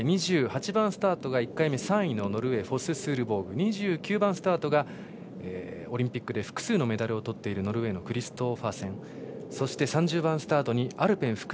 ２８番スタートが１回目、３位のノルウェー、フォススールボーグ２９番スタートがオリンピックで複数のメダルをとっているノルウェーのクリストファーセン。